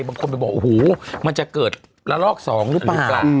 บางคนไปบอกโอ้โหมันจะเกิดระลอก๒หรือเปล่า